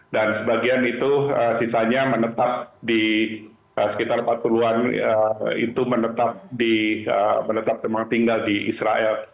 dan sebagian itu sisanya menetap di sekitar empat puluh an itu menetap teman tinggal di israel